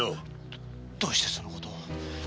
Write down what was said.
どうしてそのことを。